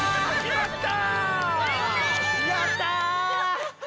やった！